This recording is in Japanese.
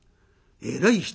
えらい人だ。